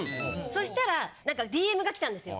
そしたらＤＭがきたんですよ。